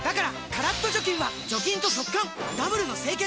カラッと除菌は除菌と速乾ダブルの清潔！